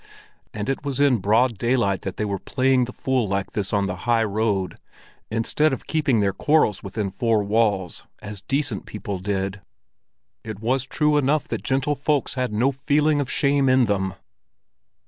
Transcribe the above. And it was in broad daylight that they were playing the fool like this on the high road, instead of keeping their quarrels within four walls as decent people did! It was true enough that gentle folks had no feeling of shame in them!